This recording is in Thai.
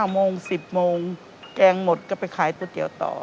โมง๑๐โมงแกงหมดก็ไปขายก๋วยเตี๋ยวต่อ